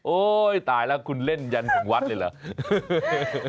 โอ๊ยตายแล้วคุณเล่นหยั่นถึงวัฒน์เลยเหรอ